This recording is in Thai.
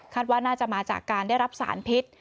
ว่าน่าจะมาจากการได้รับสารพิษ